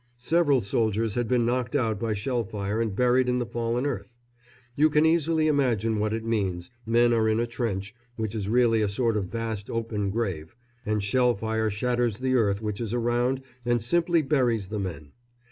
Several soldiers had been knocked out by shell fire and buried in the fallen earth. You can easily imagine what it means men are in a trench, which is really a sort of vast open grave, and shell fire shatters the earth which is around and simply buries the men.